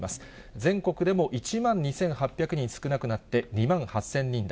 全国でも１万２８００人少なくなって２万８０００人台。